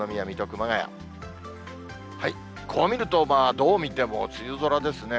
こう見ると、どう見ても梅雨空ですね。